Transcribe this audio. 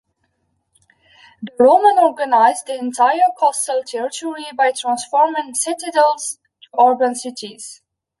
The Romans organized the entire coastal territory by transforming citadels to urban cities.